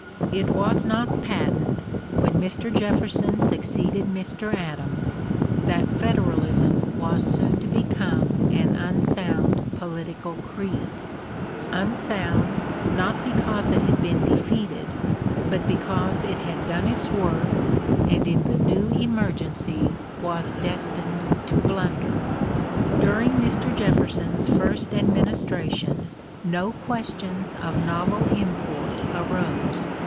It was not patent, when Mr. Jefferson succeeded Mr. Adams, that Federalism was soon to become an unsound political creed unsound, not because it had been defeated, but because it had done its work, and in the new emergency was destined to blunder. During Mr. Jefferson's first administration no questions of novel import arose.